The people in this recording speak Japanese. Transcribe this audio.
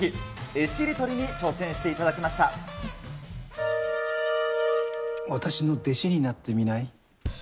絵しりとりに挑戦していただきま私の弟子になってみない？